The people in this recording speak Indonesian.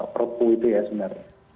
perpu itu ya sebenarnya